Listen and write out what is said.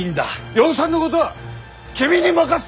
養蚕のことは君に任す！